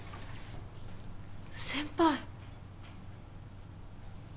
先輩！